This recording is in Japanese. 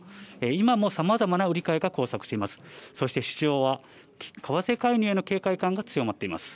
今もさまざまな売り買いが交錯しています。